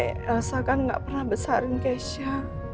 apalagi selama ini elsa kan gak pernah besarin keisha